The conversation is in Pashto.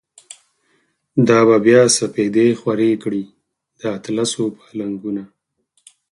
دا به بیا سپیدی خوری کړی، د اطلسو پا لنگونه